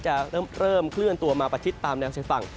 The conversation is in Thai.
จะเริ่มเคลื่อนตัวมาประชิดตามแนวชายฝั่ง